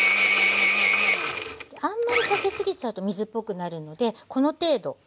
あんまりかけすぎちゃうと水っぽくなるのでこの程度でいいです。